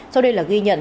sau đây là ghi nhận